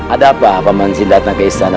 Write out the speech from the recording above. ada apa paman sin datang ke istana